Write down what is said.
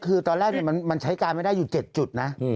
คือตอนแรกมันใช้การไม่ได้อยู่๗จุดนะ